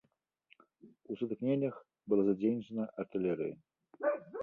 У сутыкненнях была задзейнічана артылерыя.